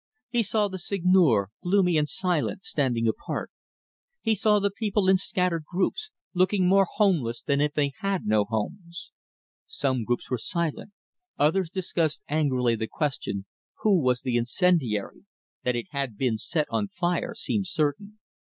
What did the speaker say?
He saw the Seigneur, gloomy and silent, standing apart. He saw the people in scattered groups, looking more homeless than if they had no homes. Some groups were silent; others discussed angrily the question, who was the incendiary that it had been set on fire seemed certain.